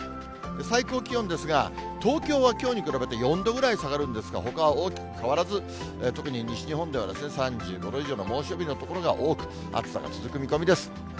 最高気温ですが、東京はきょうに比べて４度ぐらい下がるんですが、ほかは大きく変わらず、特に西日本では３５度以上の猛暑日の所が多く、暑さが続く見込みです。